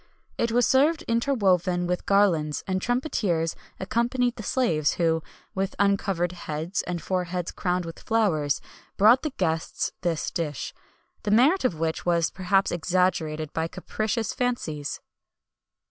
[XXI 189] It was served interwoven with garlands, and trumpeters accompanied the slaves who, with uncovered heads and foreheads crowned with flowers, brought to the guests this dish, the merit of which was, perhaps, exaggerated by capricious fancies.